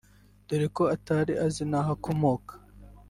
dore ko atari azi naho akomoka